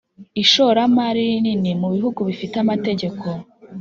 ishoramari rinini mu bihugu bifite amategeko